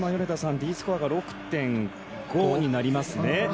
Ｄスコアが６．５になりますね。